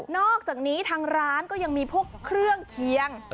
อกจากนี้ทางร้านก็ยังมีพวกเครื่องเคียง